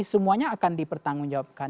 semuanya akan dipertanggung jawabkan